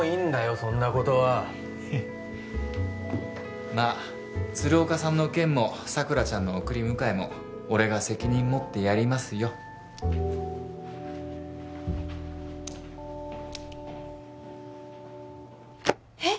そんなことはフッまあ鶴岡さんの件も佐倉ちゃんの送り迎えも俺が責任持ってやりますよえっ！？